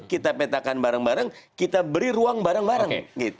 kita petakan bareng bareng kita beri ruang bareng bareng